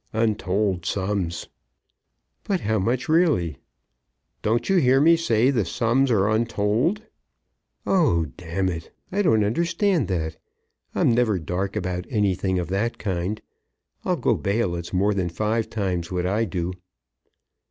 "Untold sums." "But how much really?" "Don't you hear me say the sums are untold?" "Oh; d n it; I don't understand that. I'm never dark about anything of that kind. I'll go bail it's more than five times what I do."